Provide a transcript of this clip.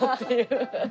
アハハハ。